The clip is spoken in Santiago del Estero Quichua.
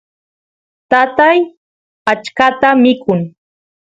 tatay achkata mikun